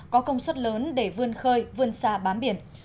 có công suất lớn để vươn khơi vươn xa bán biển